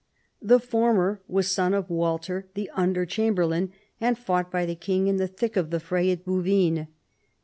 The former was son of Walter, the under chamberlain, and fought by the king in the thick of the fray at Bouvines.